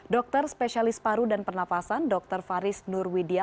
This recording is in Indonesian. dokter spesialis paru dan pernapasan dr faris nurwidia